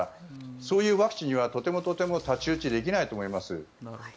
そういうワクチンにはとてもとても太刀打ちできないと思います。